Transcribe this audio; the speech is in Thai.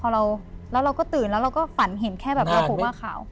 แล้วเราก็ตื่นแล้วเราก็ฝันเห็นแค่แบบว่าผูกผ้าขาว